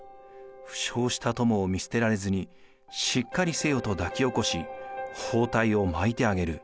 「負傷した友を見捨てられずにしっかりせよと抱き起こし包帯を巻いてあげる」。